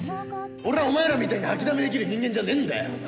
俺はお前らみたいに掃きだめで生きる人間じゃねえんだよ